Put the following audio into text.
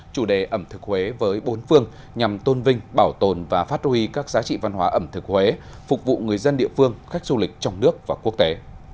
chủ đề ẩm thực huế với bốn phương nhằm tôn vinh bảo tồn và phát huy các giá trị văn hóa ẩm thực huế phục vụ người dân địa phương khách du lịch trong nước và quốc tế